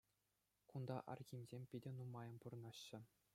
Кунта Архимсем питӗ нумайӑн пурӑнаҫҫӗ.